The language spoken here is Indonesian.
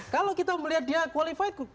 kalau kita melihat dia qualified